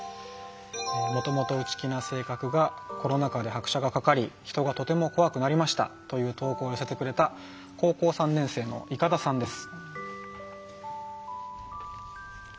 もともと内気な性格がコロナ禍で拍車がかかり人がとても怖くなりましたという投稿を寄せてくれた高校３年生のいかださんです。